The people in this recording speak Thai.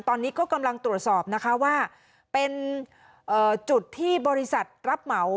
ตอนนี้ก็กำลังตรวจสอบนะคะว่าเป็นจุดที่บริษัทรับเหมา